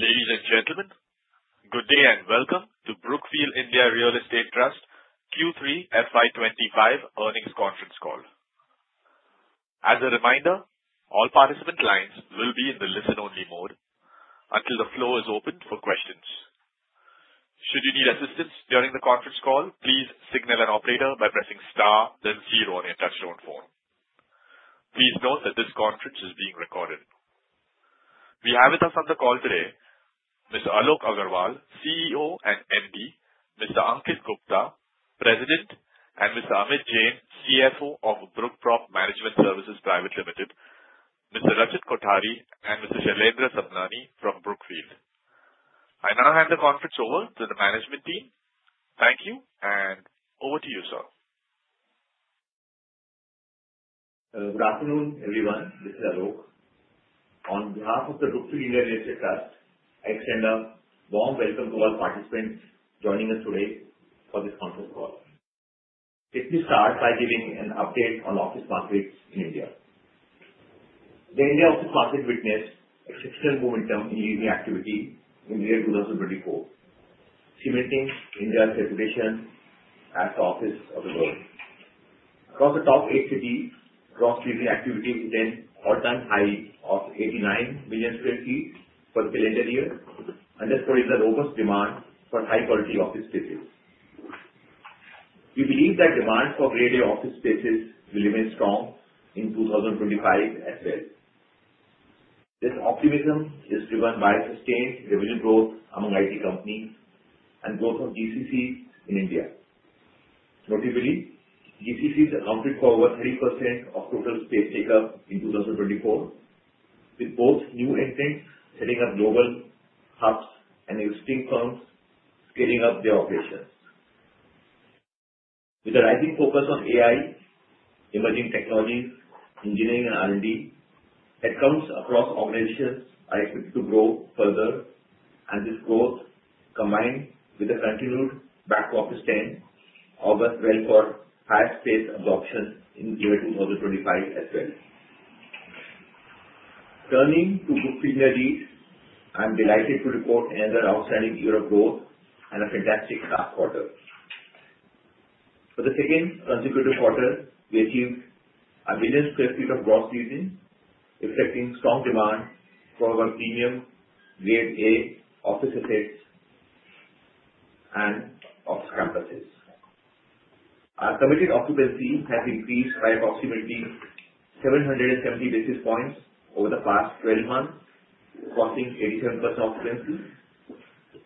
Ladies and gentlemen, good day and welcome to Brookfield India Real Estate Trust Q3 FY25 earnings conference call. As a reminder, all participant lines will be in the listen-only mode until the floor is open for questions. Should you need assistance during the conference call, please signal an operator by pressing star, then zero on your touch-tone phone. Please note that this conference is being recorded. We have with us on the call today: Mr. Alok Aggarwal, CEO and MD; Mr. Ankit Gupta, President; and Mr. Amit Jain, CFO of Brookprop Management Services Private Limited; Mr. Rachit Kothari; and Mr. Shailendra Sadnani from Brookfield. I now hand the conference over to the management team. Thank you, and over to you, sir. Good afternoon, everyone. This is Alok. On behalf of the Brookfield India Real Estate Trust, I extend a warm welcome to all participants joining us today for this conference call. Let me start by giving an update on office markets in India. The India office market witnessed exceptional momentum in leasing activity in the year 2024, cementing India's reputation as the office of the world. Across the top eight cities, gross leasing activity hit an all-time high of 89 million sq ft for the calendar year, underscoring the robust demand for high-quality office spaces. We believe that demand for Grade A office spaces will remain strong in 2025 as well. This optimism is driven by sustained revenue growth among IT companies and growth of GCCs in India. Notably, GCCs accounted for over 30% of total space take-up in 2024, with both new entrants setting up global hubs and existing firms scaling up their operations. With the rising focus on AI, emerging technologies, engineering, and R&D, headcounts across organizations are expected to grow further, and this growth, combined with the continued back-to-office demand, augurs well for higher space absorption in the year 2025 as well. Turning to Brookfield India REIT, I'm delighted to report another outstanding year of growth and a fantastic last quarter. For the second consecutive quarter, we achieved 1 million sq ft of gross leasing, reflecting strong demand for our premium Grade A office assets and office campuses. Our committed occupancy has increased by approximately 770 basis points over the past 12 months, crossing 87% occupancy.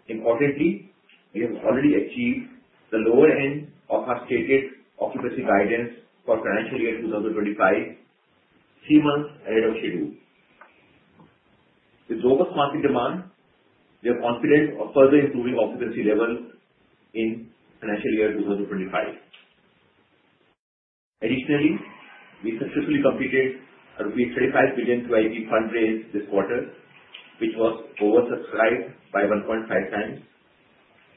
Importantly, we have already achieved the lower end of our stated occupancy guidance for financial year 2025, three months ahead of schedule. With robust market demand, we are confident of further improving occupancy levels in financial year 2025. Additionally, we successfully completed an rupees 35 billion QIP fundraise this quarter, which was oversubscribed by 1.5 times.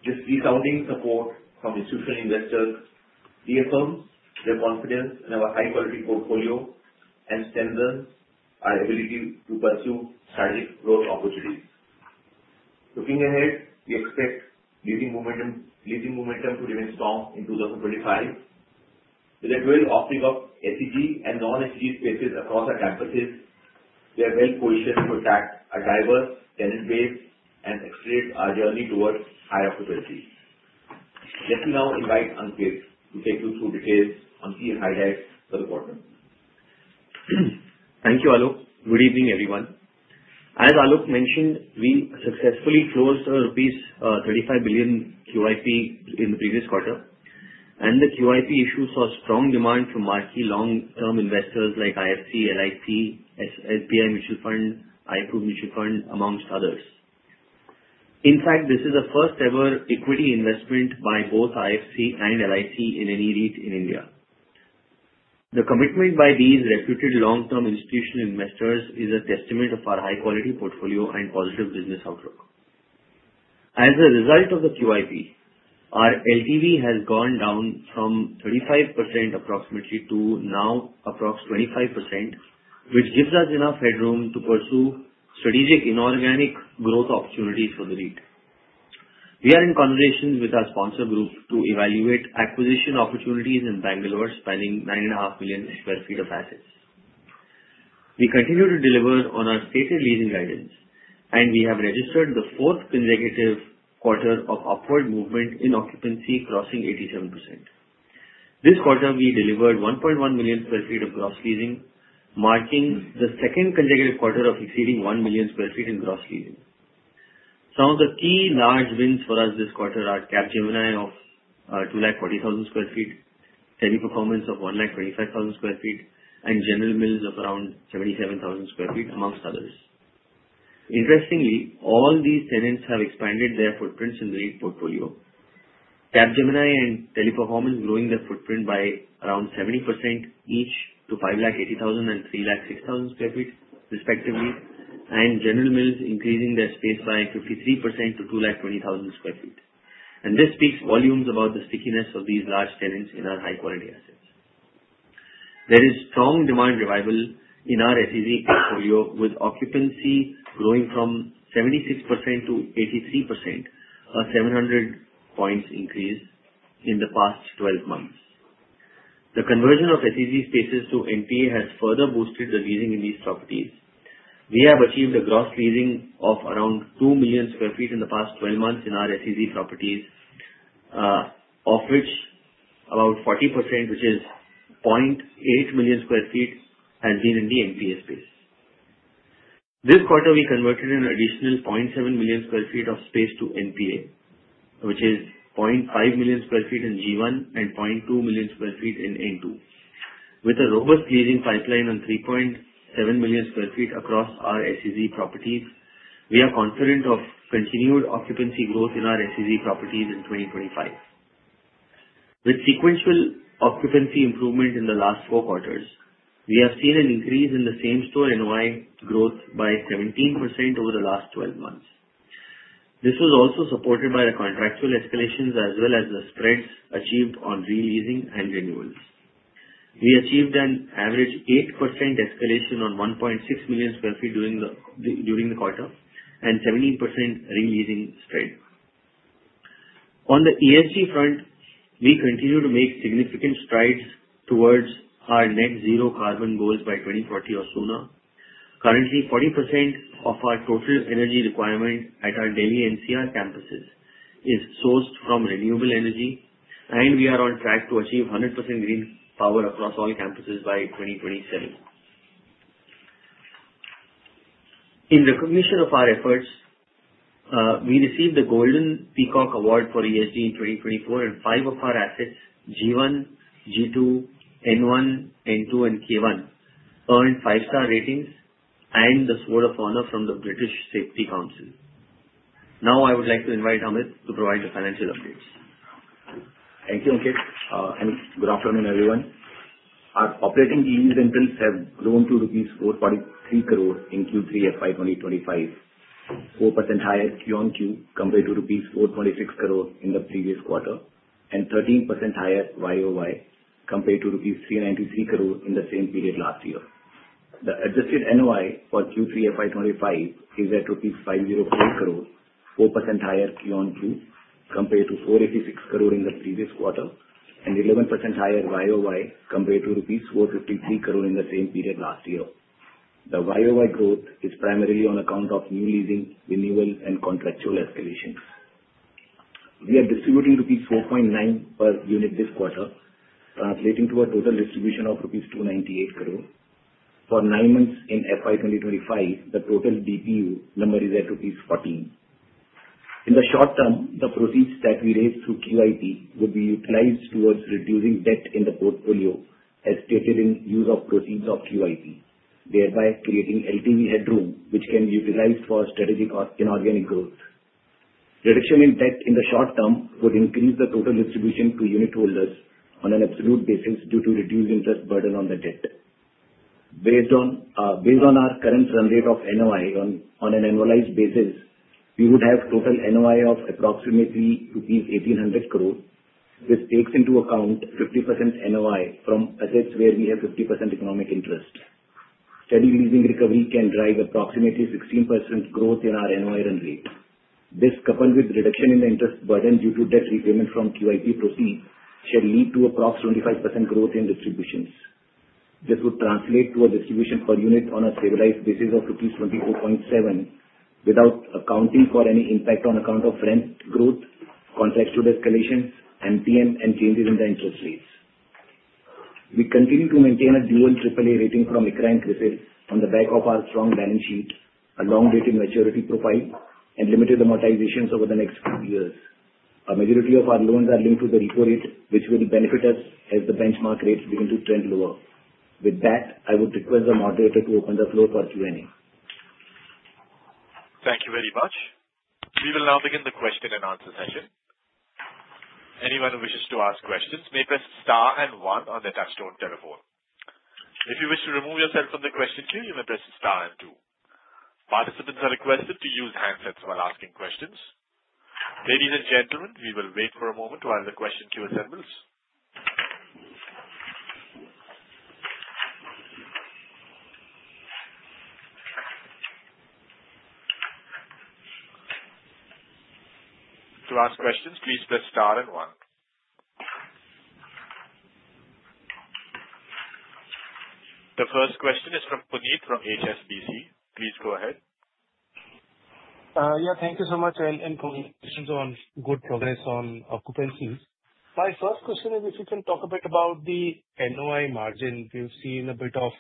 This resounding support from institutional investors reaffirms their confidence in our high-quality portfolio and strengthens our ability to pursue strategic growth opportunities. Looking ahead, we expect leasing momentum to remain strong in 2025. With a dual offering of SEZ and non-SEZ spaces across our campuses, we are well-positioned to attract a diverse tenant base and accelerate our journey towards higher occupancy. Let me now invite Ankit to take you through details on key highlights for the quarter. Thank you, Alok. Good evening, everyone. As Alok mentioned, we successfully closed rupees 35 billion QIP in the previous quarter, and the QIP issue saw strong demand from marquee long-term investors like IFC, LIC, SBI Mutual Fund, [ICICI Prudential Mutual Fund] amongst others. In fact, this is the first-ever equity investment by both IFC and LIC in any REIT in India. The commitment by these reputed long-term institutional investors is a testament to our high-quality portfolio and positive business outlook. As a result of the QIP, our LTV has gone down from 35% approximately to now approximately 25%, which gives us enough headroom to pursue strategic inorganic growth opportunities for the REIT. We are in conversation with our sponsor group to evaluate acquisition opportunities in Bengaluru, spanning 9.5 million sq ft of assets. We continue to deliver on our stated leasing guidance, and we have registered the fourth consecutive quarter of upward movement in occupancy crossing 87%. This quarter, we delivered 1.1 million sq ft of gross leasing, marking the second consecutive quarter of exceeding 1 million sq ft in gross leasing. Some of the key large wins for us this quarter are Capgemini of 240,000 sq ft, Teleperformance of 125,000 sq ft, and General Mills of around 77,000 sq ft, among others. Interestingly, all these tenants have expanded their footprints in the REIT portfolio. Capgemini and Teleperformance are growing their footprint by around 70% each to 580,000 and 306,000 sq ft, respectively, and General Mills is increasing their space by 53% to 220,000 sq ft, and this speaks volumes about the stickiness of these large tenants in our high-quality assets. There is strong demand revival in our SEZ portfolio, with occupancy growing from 76% -83%, a 700 points increase in the past 12 months. The conversion of SEZ spaces to NPA has further boosted the leasing in these properties. We have achieved a gross leasing of around 2 million sq ft in the past 12 months in our SEZ properties, of which about 40%, which is 0.8 million sq ft, has been in the NPA space. This quarter, we converted an additional 0.7 million sq ft of space to NPA, which is 0.5 million sq ft in G1 and 0.2 million sq ft in N2. With a robust leasing pipeline on 3.7 million sq ft across our SEZ properties, we are confident of continued occupancy growth in our SEZ properties in 2025. With sequential occupancy improvement in the last four quarters, we have seen an increase in the same-store NOI growth by 17% over the last 12 months. This was also supported by the contractual escalations as well as the spreads achieved on re-leasing and renewals. We achieved an average 8% escalation on 1.6 million sq ft during the quarter and 17% re-leasing spread. On the ESG front, we continue to make significant strides towards our net zero carbon goals by 2040 or sooner. Currently, 40% of our total energy requirement at our Delhi NCR campuses is sourced from renewable energy, and we are on track to achieve 100% green power across all campuses by 2027. In recognition of our efforts, we received the Golden Peacock Award for ESG in 2024, and five of our assets, G1, G2, N1, N2, and K1, earned five-star ratings and the Sword of Honor from the British Safety Council. Now, I would like to invite Amit to provide the financial updates. Thank you, Ankit. Good afternoon, everyone. Our operating EEs and PILs have grown to INR443 crore in Q3 FY2025, 4% higher Q on Q compared to rupees 426 crore in the previous quarter, and 13% higher YOY compared to rupees 393 crore in the same period last year. The adjusted NOI for Q3 FY25 is at rupees 504 crore, 4% higher Q on Q compared to 486 crore rupees in the previous quarter, and 11% higher YOY compared to rupees 453 crore in the same period last year. The YOY growth is primarily on account of new leasing, renewal, and contractual escalations. We are distributing rupees 4.9 per unit this quarter, translating to a total distribution of rupees 298 crore. For nine months in FY2025, the total DPU number is at rupees 14. In the short term, the proceeds that we raise through QIP would be utilized towards reducing debt in the portfolio, as stated in use of proceeds of QIP, thereby creating LTV headroom, which can be utilized for strategic inorganic growth. Reduction in debt in the short term would increase the total distribution to unit holders on an absolute basis due to reduced interest burden on the debt. Based on our current run rate of NOI on an annualized basis, we would have total NOI of approximately INR 1,800 crore, which takes into account 50% NOI from assets where we have 50% economic interest. Steady leasing recovery can drive approximately 16% growth in our NOI run rate. This, coupled with reduction in the interest burden due to debt repayment from QIP proceeds, should lead to approximately 25% growth in distributions. This would translate to a distribution per unit on a stabilized basis of rupees 24.7 without accounting for any impact on account of rent growth, contractual escalations, MTM, and changes in the interest rates. We continue to maintain a dual AAA rating from ICRA and CRISIL on the back of our strong balance sheet, a long-dated maturity profile, and limited amortizations over the next few years. A majority of our loans are linked to the repo rate, which will benefit us as the benchmark rates begin to trend lower. With that, I would request the moderator to open the floor for Q&A. Thank you very much. We will now begin the question and answer session. Anyone who wishes to ask questions may press star and one on the touch-tone telephone. If you wish to remove yourself from the question queue, you may press star and two. Participants are requested to use handsets while asking questions. Ladies and gentlemen, we will wait for a moment while the question queue assembles. To ask questions, please press star and one. The first question is from Puneet from HSBC. Please go ahead. Yeah, thank you so much, Alok and Ankit. Questions on good progress on occupancy. My first question is if you can talk a bit about the NOI margin. We've seen a bit of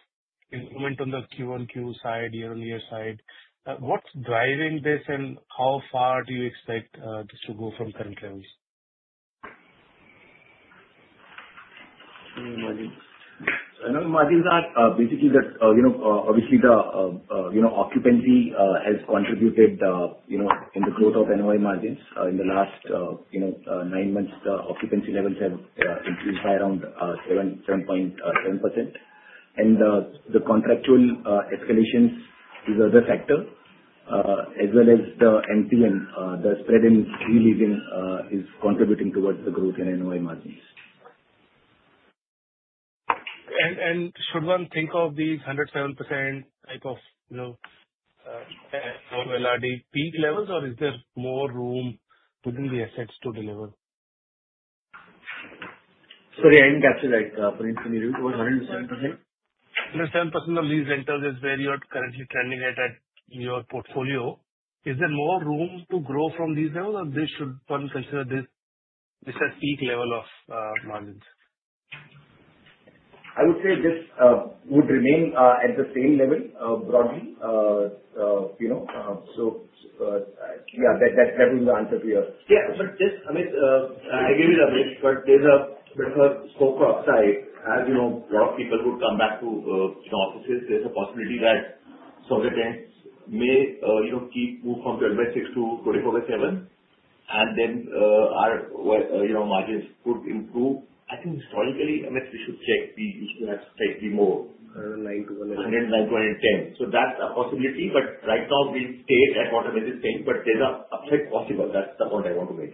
improvement on the Q on Q side, year-on-year side. What's driving this, and how far do you expect this to go from current levels? So NOI margins are basically that obviously the occupancy has contributed in the growth of NOI margins. In the last nine months, the occupancy levels have increased by around 7.7%. And the contractual escalations is a factor, as well as the MTM. The spread in re-leasing is contributing towards the growth in NOI margins. Should one think of these 107% type of LRD peak levels, or is there more room within the assets to deliver? Sorry, I didn't capture that. Puneet, can you repeat what was 107%? 107% of lease rentals is where you're currently trending at your portfolio. Is there more room to grow from these levels, or should one consider this as peak level of margins? I would say this would remain at the same level broadly. So yeah, that would be the answer to your question. Yeah, but this, Amit, I agree with Amit, but there's a bit of a scope outside. As a lot of people would come back to offices, there's a possibility that some of the tenants may keep moving from 12/6 to 24/7, and then our margins could improve. I think historically, Amit, we should check. We used to have slightly more. So that's a possibility, but right now we stayed at what Amit is saying, but there's an upside possible. That's the point I want to make.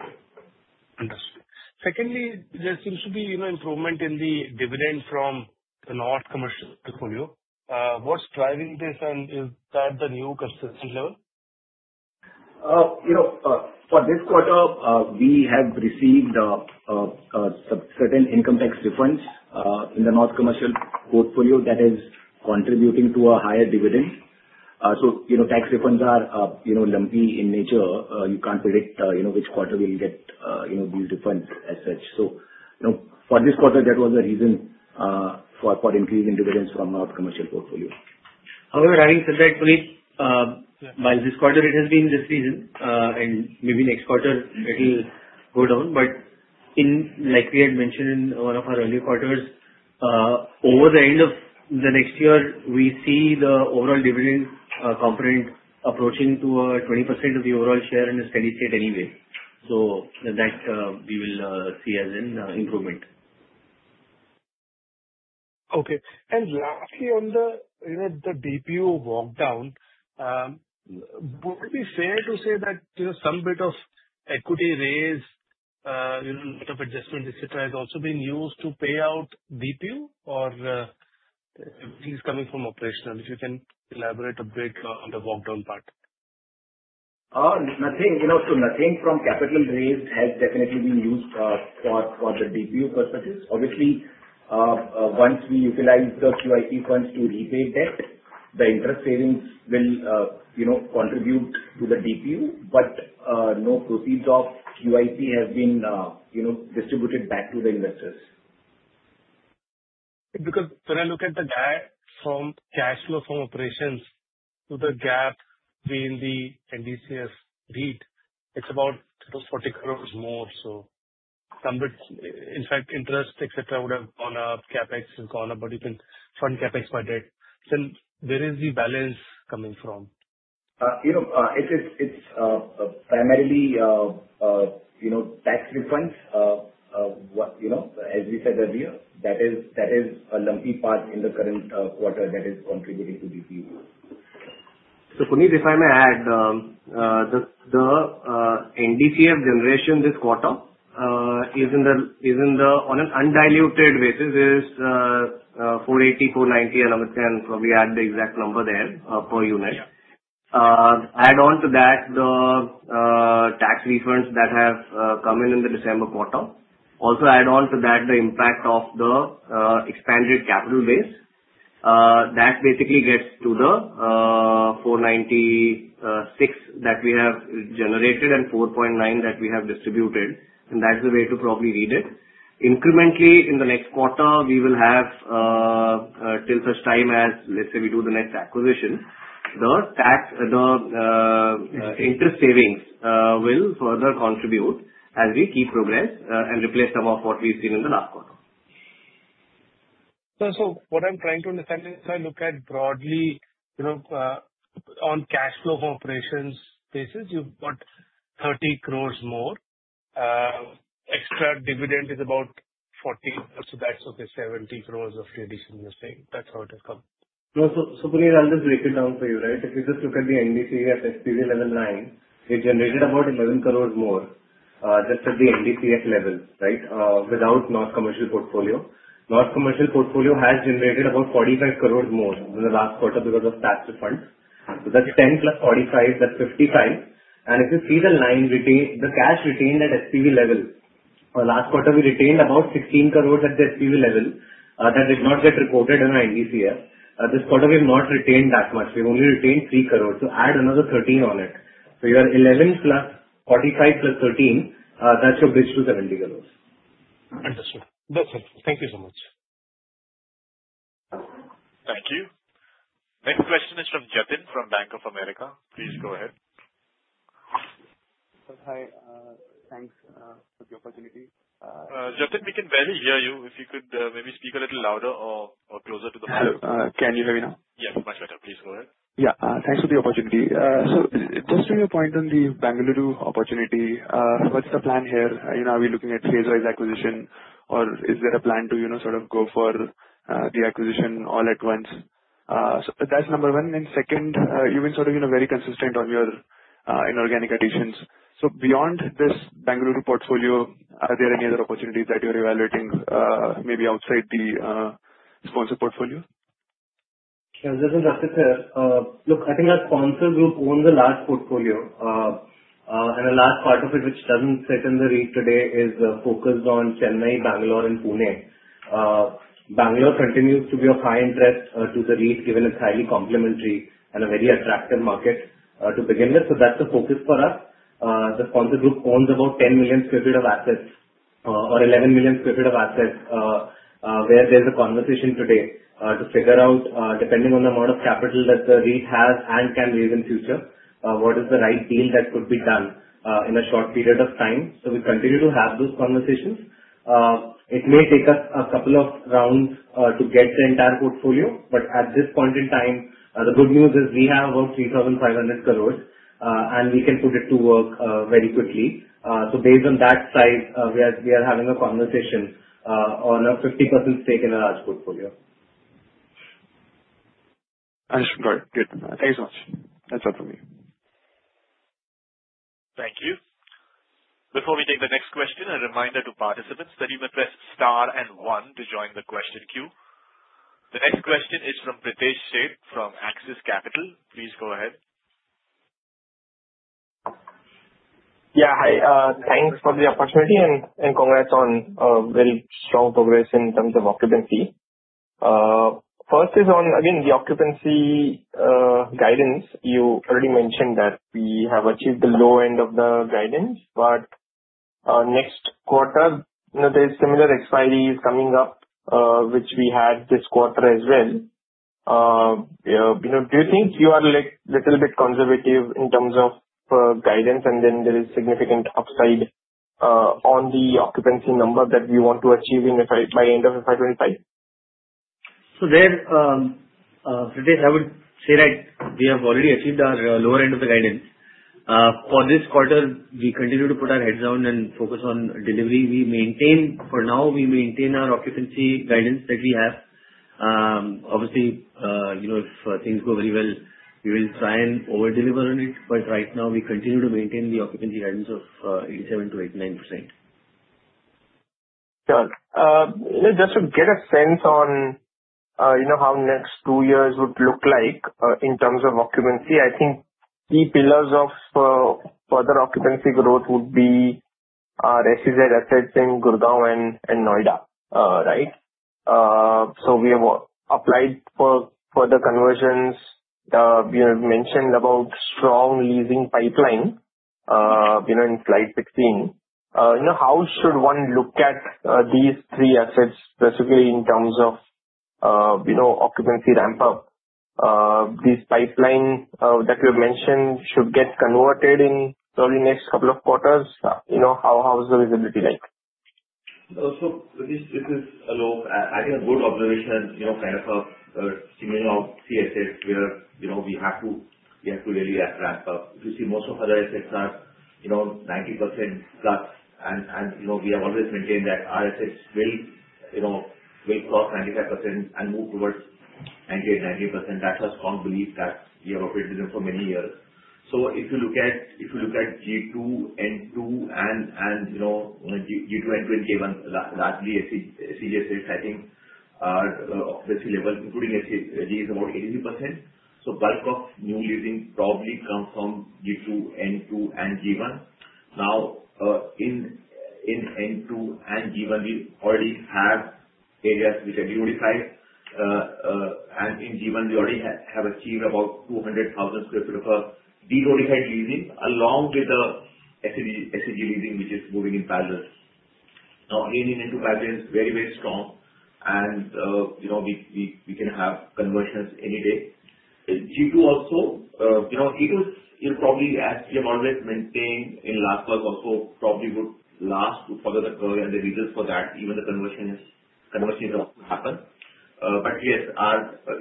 Understood. Secondly, there seems to be improvement in the dividend from the North Commercial portfolio. What's driving this, and is that the new consistent level? For this quarter, we have received some certain income tax refunds in the North Commercial portfolio that is contributing to a higher dividend, so tax refunds are lumpy in nature. You can't predict which quarter we'll get these refunds as such, so for this quarter, that was the reason for increasing dividends from North Commercial portfolio. However, having said that, Puneet, while this quarter, it has been decreasing, and maybe next quarter it will go down, but like we had mentioned in one of our earlier quarters, over the end of the next year, we see the overall dividend component approaching to 20% of the overall share in a steady state anyway, so that we will see as an improvement. Okay, and lastly, on the DPU walkdown, would it be fair to say that some bit of equity raise, a bit of adjustment, etc., has also been used to pay out DPU, or is it coming from operational? If you can elaborate a bit on the walkdown part. Nothing. So nothing from capital raised has definitely been used for the DPU purposes. Obviously, once we utilize the QIP funds to repay debt, the interest savings will contribute to the DPU, but no proceeds of QIP have been distributed back to the investors. Because when I look at the gap from cash flow from operations to the gap between the NDCF REIT, it's about 40 crores more. So in fact, interest, etc., would have gone up. CapEx has gone up, but you can fund CapEx by debt. So where is the balance coming from? It's primarily tax refunds, as we said earlier. That is a lumpy part in the current quarter that is contributing to DPU. So Puneet, if I may add, the NDCF generation this quarter is on an undiluted basis 4.80-4.90, and Amit can probably add the exact number there per unit. Add on to that the tax refunds that have come in in the December quarter. Also add on to that the impact of the expanded capital base. That basically gets to the 4.96 that we have generated and 4.9 that we have distributed. And that's the way to probably read it. Incrementally, in the next quarter, we will have till such time as, let's say, we do the next acquisition, the interest savings will further contribute as we keep progress and replace some of what we've seen in the last quarter. So what I'm trying to understand is, if I look at it broadly, on a cash flow from operations basis, you've got 30 crores more. Extra dividend is about 40 crores. So that's okay, 70 crores of distribution, you're saying. That's how it has come. So Puneet, I'll just break it down for you, right? If you just look at the NDCF SPV level, Noida, it generated about 11 crores more just at the NDCF level, right, without Noida Commercial portfolio. Noida Commercial portfolio has generated about 45 crores more in the last quarter because of tax refunds. So that's 10 plus 45, that's 55. And if you see the cash retained at SPV level, last quarter we retained about 16 crores at the SPV level that did not get reported in our NDCF. This quarter, we have not retained that much. We've only retained 3 crores. So add another 13 on it. So you are 11 plus 45 plus 13. That should bridge to INR 70 crores. Understood. That's it. Thank you so much. Thank you. Next question is from Jatin from Bank of America. Please go ahead. Hi. Thanks for the opportunity. Jatin, we can barely hear you. If you could maybe speak a little louder or closer to the mic. Can you hear me now? Yes, much better. Please go ahead. Yeah. Thanks for the opportunity. So just to your point on the Bengaluru opportunity, what's the plan here? Are we looking at phase-wise acquisition, or is there a plan to sort of go for the acquisition all at once? So that's number one. And second, you've been sort of very consistent on your inorganic additions. So beyond this Bengaluru portfolio, are there any other opportunities that you're evaluating maybe outside the sponsor portfolio? Yeah, just to justify, look, I think our sponsor group owns the large portfolio, and the last part of it, which doesn't fit in the REIT today, is focused on Chennai, Bangalore, and Pune. Bangalore continues to be of high interest to the REIT, given it's highly complementary and a very attractive market to begin with. That's the focus for us. The sponsor group owns about 10 million sq ft of assets or 11 million sq ft of assets, where there's a conversation today to figure out, depending on the amount of capital that the REIT has and can raise in the future, what is the right deal that could be done in a short period of time. We continue to have those conversations. It may take us a couple of rounds to get the entire portfolio, but at this point in time, the good news is we have about 3,500 crores, and we can put it to work very quickly. So based on that size, we are having a conversation on a 50% stake in a large portfolio. Understood. Got it. Good. Thank you so much. That's all from me. Thank you. Before we take the next question, a reminder to participants that you may press star and one to join the question queue. The next question is from Pritesh Sheth from Axis Capital. Please go ahead. Yeah. Hi. Thanks for the opportunity and congrats on very strong progress in terms of occupancy. First is on, again, the occupancy guidance. You already mentioned that we have achieved the low end of the guidance, but next quarter, there's similar expiries coming up, which we had this quarter as well. Do you think you are a little bit conservative in terms of guidance, and then there is significant upside on the occupancy number that we want to achieve by end of FY25? So there, Pritesh, I would say that we have already achieved our lower end of the guidance. For this quarter, we continue to put our heads down and focus on delivery. For now, we maintain our occupancy guidance that we have. Obviously, if things go very well, we will try and overdeliver on it, but right now, we continue to maintain the occupancy guidance of 87%-89%. Just to get a sense on how next two years would look like in terms of occupancy, I think key pillars of further occupancy growth would be SEZ Assets, then Gurugram, and Noida, right? So we have applied for further conversions. You have mentioned about strong leasing pipeline in slide 16. How should one look at these three assets, specifically in terms of occupancy ramp-up? This pipeline that you have mentioned should get converted in probably the next couple of quarters. How's the visibility like? This is a good observation, kind of a signal of CSS, where we have to really ramp up. You see, most of other assets are 90% plus, and we have always maintained that our assets will cross 95% and move towards 98%-99%. That's a strong belief that we have operated in for many years. So if you look at G2, N2, and K1, largely SEZ sitting, our occupancy level, including SEZs, is about 83%. So bulk of new leasing probably comes from G2, N2, and G1. Now, in N2 and G1, we already have areas which are de-SEZified, and in G1, we already have achieved about 200,000 sq ft of de-SEZified leasing, along with the SEZ leasing, which is moving in parallel. Now, again, in N2 SEZ is very, very strong, and we can have conversions any day. G2 also, G2 is probably, as we have always maintained in last quarter, also probably would lag the curve further and the reasons for that, even the conversion is also happened. But yes,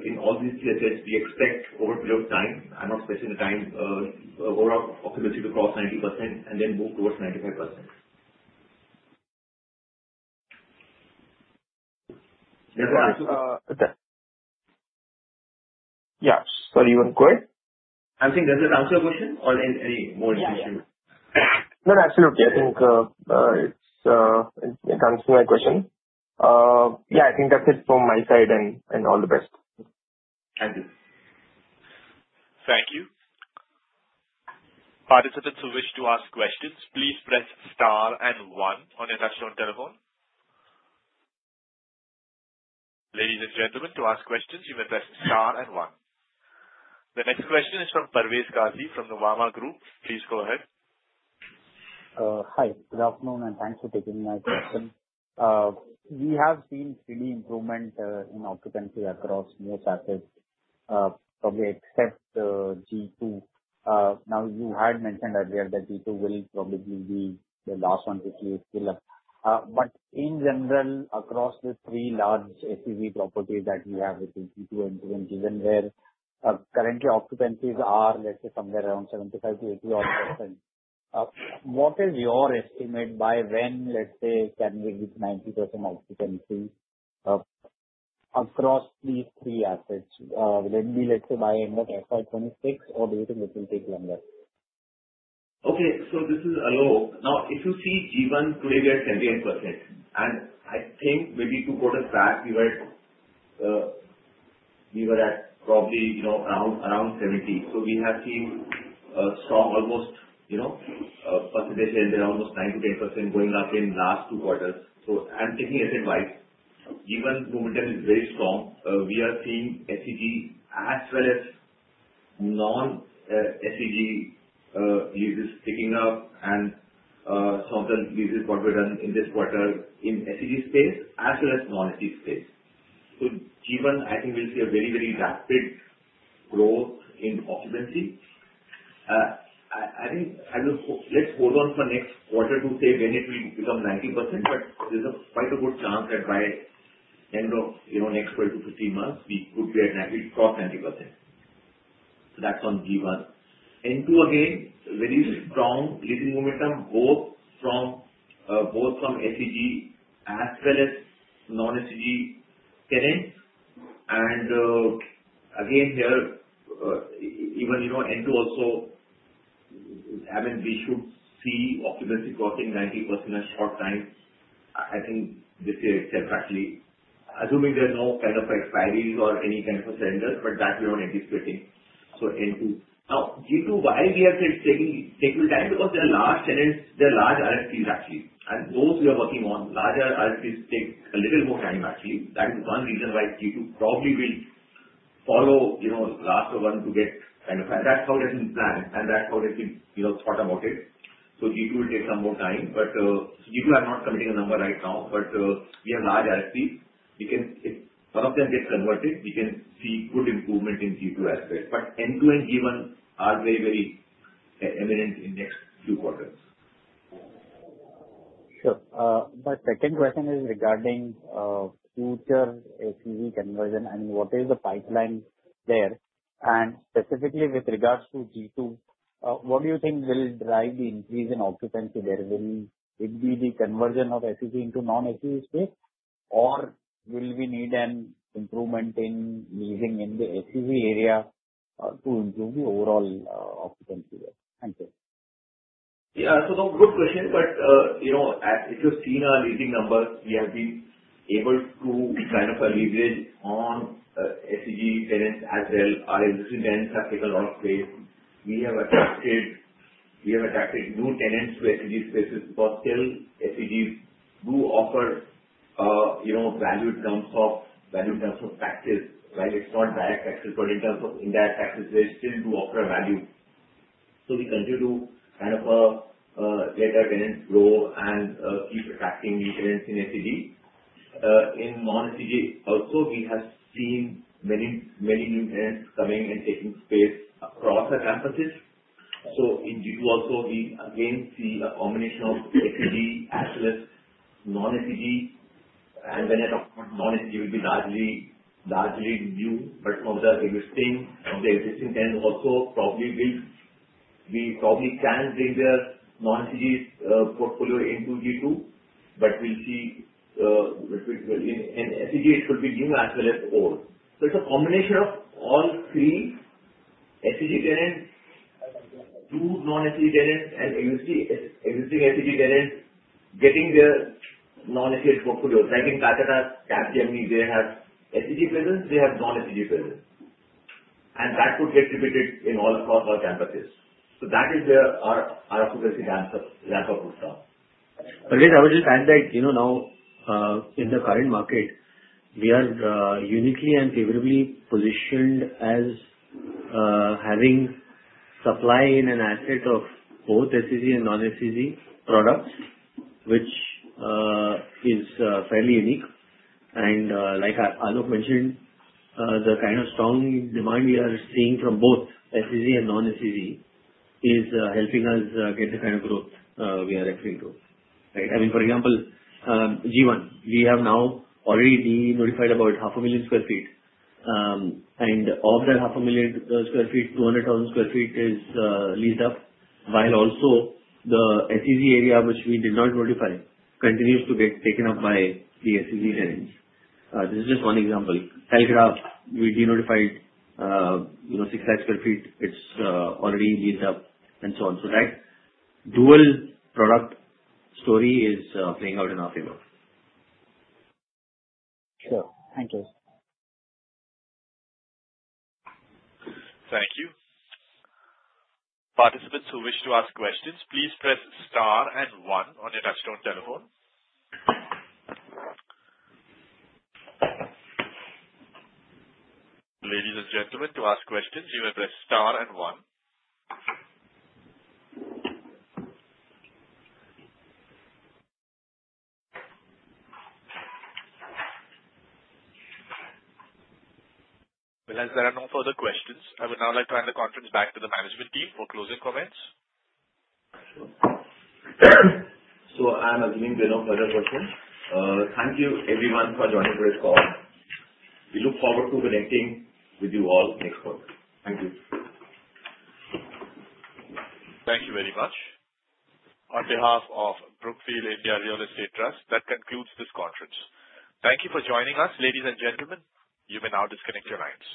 in all these SEZs, we expect over a period of time occupancy to cross 90% and then move towards 95%. Yeah. Sorry, you went quiet? I'm saying, does it answer your question or any more information? No, no, absolutely. I think it answers my question. Yeah, I think that's it from my side, and all the best. Thank you. Thank you. Participants who wish to ask questions, please press star and one on your touch-tone telephone. Ladies and gentlemen, to ask questions, you may press star and one. The next question is from Parvez Qazi from the Nuvama Group. Please go ahead. Hi. Good afternoon, and thanks for taking my question. We have seen steady improvement in occupancy across most assets, probably except G2. Now, you had mentioned earlier that G2 will probably be the last one to see it fill up. But in general, across the three large SCG properties that we have between G2 and G1, given where currently occupancies are, let's say, somewhere around 75%-80% odd, what is your estimate by when, let's say, can we reach 90% occupancy across these three assets? Will it be, let's say, by end of FY26, or do you think it will take longer? Okay. So this is a low. Now, if you see G1, today we are at 78%. And I think maybe two quarters back, we were at probably around 70. So we have seen a strong, almost percentage here in there, almost 9%-10% going up in the last two quarters. So I'm taking it in wide. G1 momentum is very strong. We are seeing SCG as well as non-SCG leases picking up, and some of the leases got redone in this quarter in SCG space as well as non-SCG space. So G1, I think we'll see a very, very rapid growth in occupancy. I think let's hold on for next quarter to say when it will become 90%, but there's quite a good chance that by end of next 12-15 months, we could be at 90, cross 90%. So that's on G1. N2, again, very strong leasing momentum, both from SCG as well as non-SCG tenants. And again, here, even N2 also, I mean, we should see occupancy crossing 90% in a short time. I think this year itself, actually, assuming there's no kind of expiries or any kind of a surrender, but that we are anticipating. So N2. Now, G2, why we have said it's taking time? Because there are large tenants, there are large RFPs, actually. And those we are working on, larger RFPs take a little more time, actually. That is one reason why G2 probably will follow last one to get kind of that's how it has been planned, and that's how it has been thought about it. So G2 will take some more time, but G2, I'm not committing a number right now, but we have large RFPs. If one of them gets converted, we can see good improvement in G2 asset. But N2 and G1 are very, very imminent in the next few quarters. Sure. My second question is regarding future SEZ conversion. I mean, what is the pipeline there? And specifically with regards to G2, what do you think will drive the increase in occupancy there? Will it be the conversion of SEZ into non-SEZ space, or will we need an improvement in leasing in the SEZ area to improve the overall occupancy there? Thank you. Yeah. So good question, but if you've seen our leasing numbers, we have been able to kind of leverage on SEZ tenants as well. Our existing tenants have taken a lot of space. We have attracted new tenants to SEZ spaces, but still, SEZs do offer value in terms of taxes while it's not direct taxes, but in terms of indirect taxes, they still do offer value. So we continue to kind of let our tenants grow and keep attracting new tenants in SEZ. In non-SEZ, also, we have seen many new tenants coming and taking space across our campuses. So in G2, also, we again see a combination of SEZ as well as non-SEZ. When I talk about non-SEZ, it will be largely new, but some of the existing tenants also probably can bring their non-SEZ portfolio into G2, but we'll see. In SEZ, it should be new as well as old. It's a combination of all three: SEZ tenants, new non-SEZ tenants, and existing SEZ tenants getting their non-SEZ portfolios. I think Gurugram, Kolkata, and Noida, they have SEZ presence. They have non-SEZ presence. That could get repeated across all campuses. That is where our occupancy ramp-up would come. Parvez, I would just add that now, in the current market, we are uniquely and favorably positioned as having supply in an asset of both SCG and non-SCG products, which is fairly unique. And like Alok mentioned, the kind of strong demand we are seeing from both SCG and non-SCG is helping us get the kind of growth we are aiming to, right? I mean, for example, G1, we have now already de-notified about 500,000 sq ft, and of that 500,000 sq ft, 200,000 sq ft is leased up, while also the SCG area, which we did not notify, continues to get taken up by the SCG tenants. This is just one example. K1, we de-notified 6,000 sq ft. It's already leased up, and so on. So that dual product story is playing out in our favor. Sure. Thank you. Thank you. Participants who wish to ask questions, please press star and one on your touch-tone telephone. Ladies and gentlemen, to ask questions, you may press star and one. Well, as there are no further questions, I would now like to hand the conference back to the management team for closing comments. So I'm assuming there are no further questions. Thank you, everyone, for joining today's call. We look forward to connecting with you all next quarter. Thank you. Thank you very much. On behalf of Brookfield India Real Estate Trust, that concludes this conference. Thank you for joining us, ladies and gentlemen. You may now disconnect your lines.